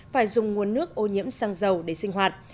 phải dùng nguồn nước ô nhiễm xăng dầu để sinh hoạt